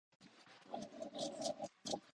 タイピングが遅い